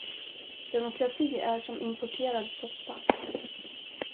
Demokrati är som importerad soppa.